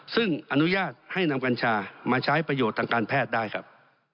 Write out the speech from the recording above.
ซึ่งอนุญาตให้นำกัญชามาใช้ประโยชน์ทางการแพทย์ได้ครับ